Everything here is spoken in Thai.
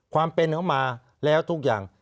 ความเป็นเขามาแล้วทุกอย่าง